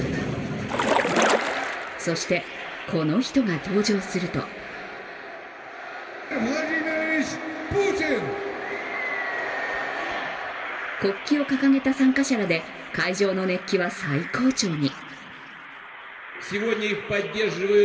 そして、この人が登場すると国旗を掲げた参加者らで会場の熱気は最高潮に。